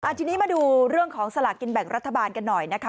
ทีนี้มาดูเรื่องของสลากกินแบ่งรัฐบาลกันหน่อยนะคะ